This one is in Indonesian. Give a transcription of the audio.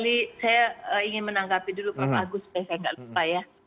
kali saya ingin menanggapi dulu prof agus supaya saya nggak lupa ya